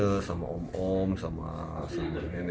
jika kalian sudah bohong bohong dengan fitur genetik vuor